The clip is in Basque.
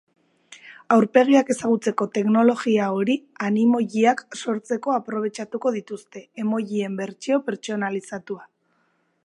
Aurpegiak ezagutzeko teknologia hori animojiak sortzeko aprobetxatuko dituzte, emojien bertsio pertsonalizatua.